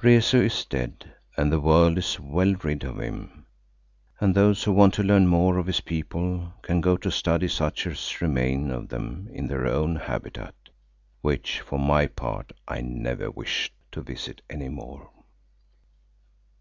Rezu is dead and the world is well rid of him, and those who want to learn more of his people can go to study such as remain of them in their own habitat, which for my part I never wish to visit any more.